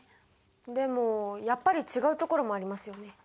でもやっぱり違うところもありますよね。